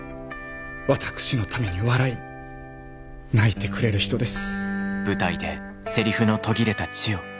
私のために笑い泣いてくれる人です。